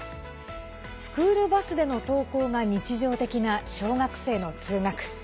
スクールバスでの登校が日常的な小学生の通学。